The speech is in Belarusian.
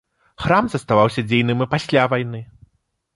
Храм заставаўся дзейным і пасля вайны.